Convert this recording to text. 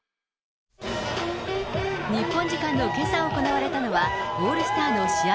日本時間のけさ行われたのは、オールスターの試合